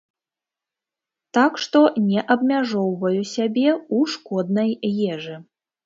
Так што не абмяжоўваю сябе ў шкоднай ежы.